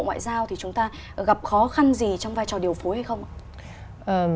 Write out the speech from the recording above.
ngoại giao thì chúng ta gặp khó khăn gì trong vai trò điều phối hay không ạ